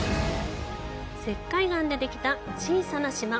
石灰岩でできた小さな島。